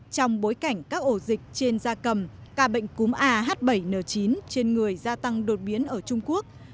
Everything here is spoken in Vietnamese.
trong bối cảnh các ổ dịch trên da cầm ca bệnh cúm ah bảy n chín trên người gia tăng đột biến ở trung quốc